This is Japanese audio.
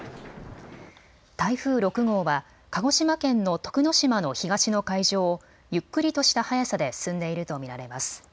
台風６号は鹿児島県の徳之島の東の海上をゆっくりとした速さで進んでいると見られます。